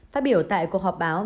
phát biểu tại cuộc họp báo